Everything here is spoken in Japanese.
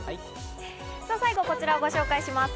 最後はこちらをご紹介します。